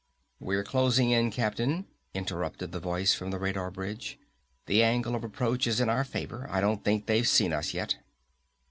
"We're closing in, Captain," interrupted the voice from the radar bridge. "The angle of approach is in our favor. I don't think they've seen us yet!"